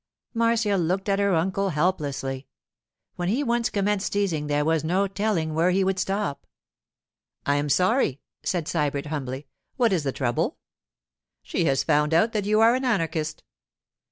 Marcia looked at her uncle helplessly; when he once commenced teasing there was no telling where he would stop. 'I am sorry,' said Sybert humbly. 'What is the trouble?' 'She has found out that you are an anarchist.